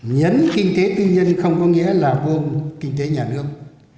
nhấn kinh tế tư nhân không có nghĩa là gồm kinh tế nhà nước